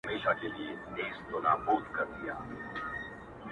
o د خره مينه لغته وي.